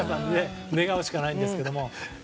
願うしかないんですけど。